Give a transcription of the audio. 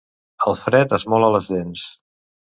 El fred esmola les dents.